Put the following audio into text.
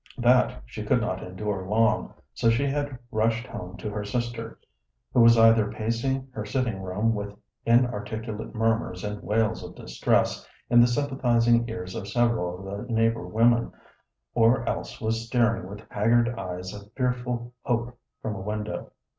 That she could not endure long, so she had rushed home to her sister, who was either pacing her sitting room with inarticulate murmurs and wails of distress in the sympathizing ears of several of the neighboring women, or else was staring with haggard eyes of fearful hope from a window.